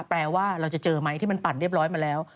แปลว่าเราจะเจอไหมที่มันปั่นเรียบร้อยมาแล้ว